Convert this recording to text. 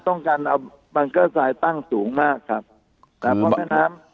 ต้องการเอาบังเกอร์ไซด์ตั้งสูงมากครับแล้วเพราะแม่น้ำ